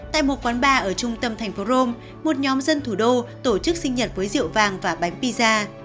tại một quán bar ở trung tâm thành phố rome một nhóm dân thủ đô tổ chức sinh nhật với rượu vàng và bánh piza